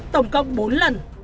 tổng cộng bốn lần